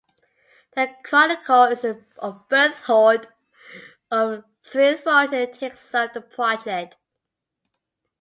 The chronicle of Berthold of Zwiefalten takes up the project.